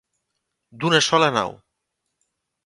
D'una sola nau.